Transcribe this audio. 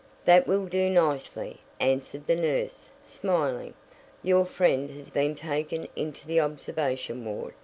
"That will do nicely," answered the nurse, smiling. "Your friend has been taken into the observation ward.